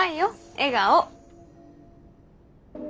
笑顔！